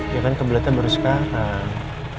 ya kan kebeletnya baru sekarang